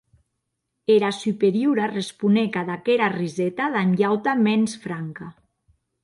Era Superiora responec ad aquera riseta damb ua auta mens franca.